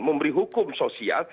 memberi hukum sosial